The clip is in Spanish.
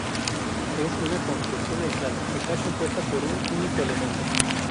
Es una construcción aislada, está compuesta por un único elemento.